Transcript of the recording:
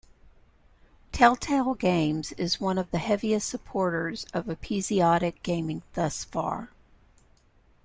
Telltale Games is one of the heaviest supporters of episodic gaming thus far.